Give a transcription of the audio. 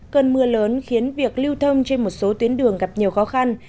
cơn mưa lớn khiến việc lưu thông trên một số tuyến đường gặp nhiều khó khăn